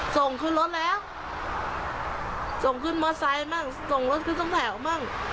ส่งขึ้นรถแล้วส่งขึ้นมอไซค์มั่งส่งรถขึ้นสองแถวมั่ง